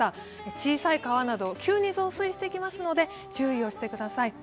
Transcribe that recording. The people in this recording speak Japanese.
小さい川など急に増水してきますので注意してください。